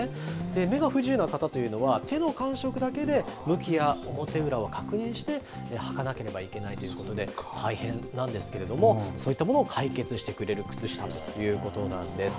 目が不自由な方っていうのは、手の感触だけで向きや表裏は確認して、履かなければいけないということで、大変なんですけれども、そういったものを解決してくれる靴下ということなんです。